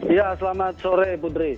iya selamat sore putri